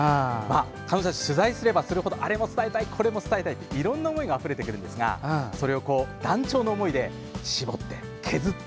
彼女たち取材すればするほどあれも伝えたいこれも伝えたいといろんな思いがあふれてくるんですがそれを断腸の思いで絞って、削って。